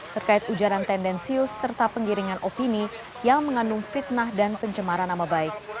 terkait ujaran tendensius serta penggiringan opini yang mengandung fitnah dan pencemaran nama baik